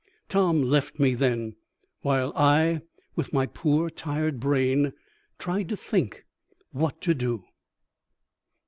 Tom left me then, while I, with my poor tired brain, tried to think what to do.